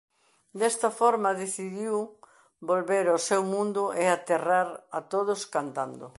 Desta forma decidiu volver ao seu mundo e aterrar a todos cantando.